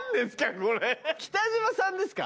北島さんですか？